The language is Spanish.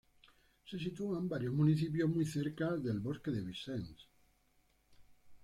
Se sitúan varios municipios muy cerca del bosque de Vincennes.